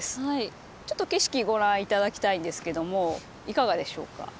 ちょっと景色ご覧頂きたいんですけどもいかがでしょうか？